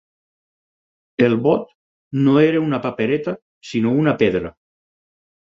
El vot no era una papereta sinó una pedra.